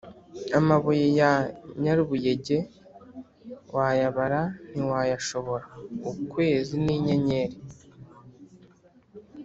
Amabuye ya Nyarubuyenge wayabara ntiwayashobora-Ukwezi n'inyenyeri.